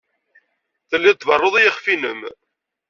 Telliḍ tberruḍ i yiɣef-nnem.